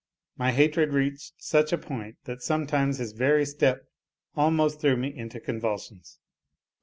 My hatred reached such a point that sometimes his very step almost threw me into convulsions.